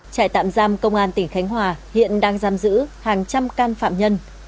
trại tạm giam công an tỉnh khánh hòa hiện đang giam giữ hàng trăm can phạm nhân